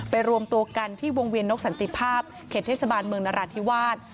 รวมตัวกันที่วงเวียนนกสันติภาพเขตเทศบาลเมืองนราธิวาส